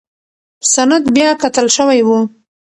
سند بیاکتل شوی و.